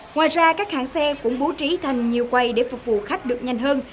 ngoài ra các hãng xe cũng bố trí thành nhiều quầy để phục vụ khách được nhanh hơn